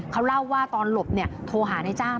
เขาเล่าว่าตอนหลบโทรหาในจ้าง